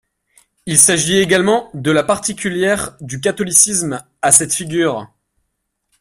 Il s'agit également de la particulière du catholicisme à cette figure.